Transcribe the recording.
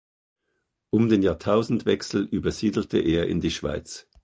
Um den Jahrtausendwechsel übersiedelte er in die Schweiz.